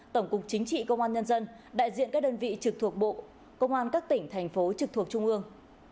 tổng cục chính trị công an nhân dân đại diện các đơn vị trực thuộc bộ công an các tỉnh thành phố trực thuộc trung ương